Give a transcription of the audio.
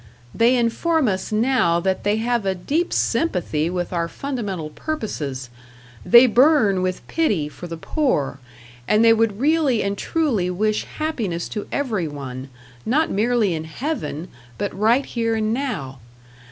They inform us now that they have a deep sympathy with our fundamental purposes; they burn with pity for the poor, and they would really and truly wish happiness to everyone, not merely in Heaven, but right here and now.